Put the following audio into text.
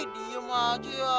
diem aja ya